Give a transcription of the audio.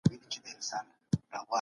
دلته خورا مهم پيغام سته.